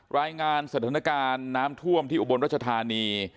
รายงานสถานการณ์น้ำท่วมที่อุบลรัชธานี